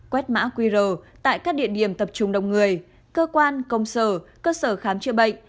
quét mã qr tại các địa điểm tập trung đông người cơ quan công sở cơ sở khám chữa bệnh